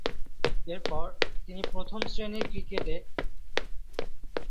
এরপর, তিনি প্রথম-শ্রেণীর ক্রিকেট জগতে পুনরায় প্রত্যাবর্তন ঘটান।